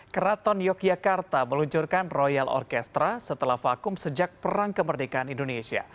keraton yogyakarta meluncurkan royal orkestra setelah vakum sejak perang kemerdekaan indonesia